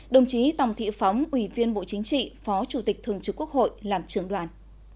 đồng chí tòng thị phóng ủy viên bộ chính trị phó chủ tịch thường trực quốc hội làm trưởng đoàn